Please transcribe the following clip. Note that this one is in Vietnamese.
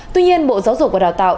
tuy nhiên bộ giáo dục và đào tài